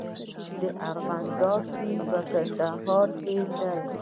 د ارغنداب سیند په کندهار کې دی